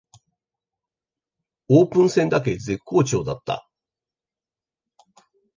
オープン戦だけ絶好調だった